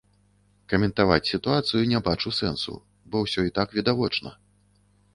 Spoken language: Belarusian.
Каментаваць сітуацыю не бачу сэнсу, бо ўсё і так відавочна.